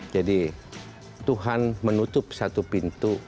jadi tuhan menutup satu pintu